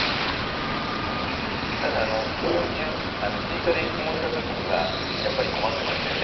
ただあの途中追加で質問した時にはやっぱり困ってましたよね。